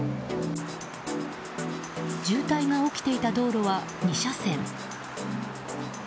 渋滞が起きていた道路は２車線。